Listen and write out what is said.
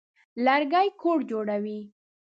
لرګي کور جوړوي.